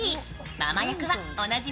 ママ役はおなじみ